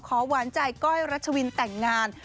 หวานใจก้อยรัชวินแต่งงาน